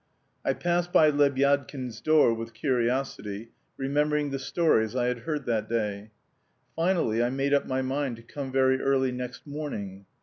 I passed by Lebyadkin's door with curiosity, remembering the stories I had heard that day. Finally, I made up my mind to come very early next morning.